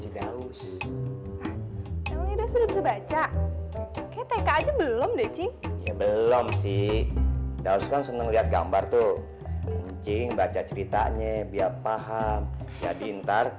belum sih kan seneng lihat gambar tuh baca ceritanya biar paham jadi ntar